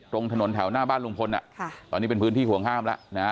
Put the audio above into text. ตรงถนนแถวหน้าบ้านลุงพลตอนนี้เป็นพื้นที่ห่วงห้ามแล้วนะฮะ